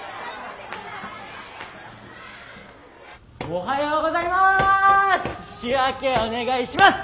おはようございます！